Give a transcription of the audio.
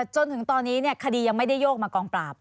จนถึงตอนนี้คดียังไม่ได้โยกมากองปราบ